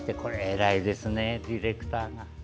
偉いですね、ディレクターが。